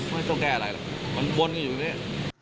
ไม่ต้องแก้อะไรมันบนอยู่นี่